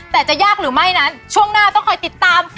แต่จะยากหรือไม่นั้นช่วงหน้าต้องคอยติดตาม